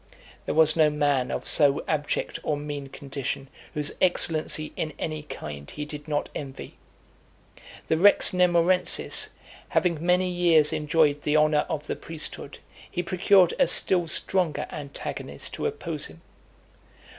There was no man of so abject or mean condition, whose excellency in any kind he did not envy. The Rex Nemorensis having many years enjoyed the honour of the priesthood, he procured a still stronger antagonist to oppose him.